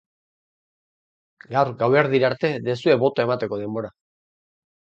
Gaur gaerdira arte duzue botoa emateko denbora.